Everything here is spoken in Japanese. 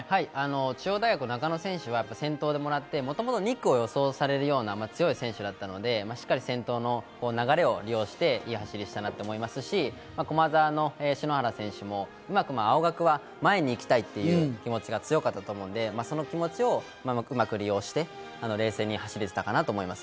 中央大学・中野選手は先頭でもらって、もともと２区を予想されるような強い選手だったので、しっかり先頭の流れを利用して、いい走りをしたと思いますし、駒澤の篠原選手も青学は前に行きたい気持ちが強かったと思うので、その気持ちをうまく利用して冷静に走れていたかなと思います。